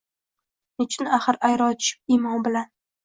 Nechun axir ayro tushib imon bilan